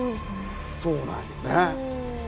そうなんよね。